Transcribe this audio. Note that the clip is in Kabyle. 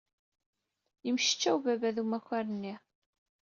Yemmecčaw baba d umakar-nni.